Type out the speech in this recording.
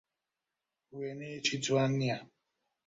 وێنەیەکی جوان نییە.